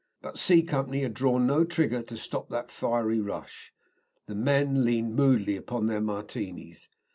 But C Company had drawn no trigger to stop that fiery rush. The men leaned moodily upon their Martinis.